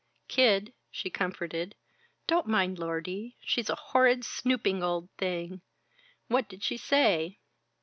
"Kid," she comforted, "don't mind Lordie she's a horrid, snooping old thing! What did she say?"